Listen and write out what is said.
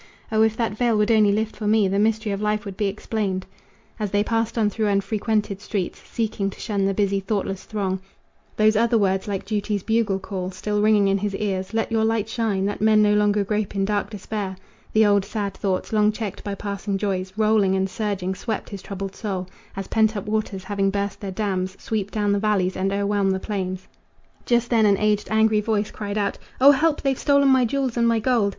O if that veil would only lift for me The mystery of life would be explained." As they passed on through unfrequented streets, Seeking to shun the busy, thoughtless throng, Those other words like duty's bugle call Still ringing in his ears: "Let your light shine, That men no longer grope in dark despair" The old sad thoughts, long checked by passing joys, Rolling and surging, swept his troubled soul As pent up waters, having burst their dams, Sweep down the valleys and o'erwhelm the plains. Just then an aged, angry voice cried out: "O help! they've stolen my jewels and my gold!"